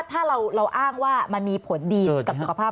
ถ้าเราอ้างว่ามันมีผลดีกับสุขภาพ